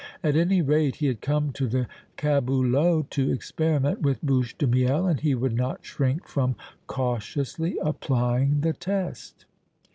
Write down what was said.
At any rate he had come to the caboulot to experiment with Bouche de Miel and he would not shrink from cautiously applying the test.